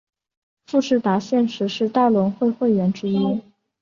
富士达现时是大轮会会员之一。